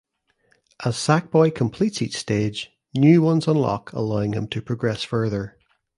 As Sackboy completes each stage new ones unlock allowing him to progress further.